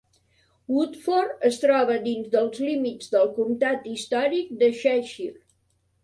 Woodford es troba dins dels límits del comptat històric de Cheshire.